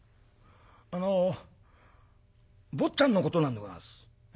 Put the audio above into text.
あの坊ちゃんのことなんでござんす。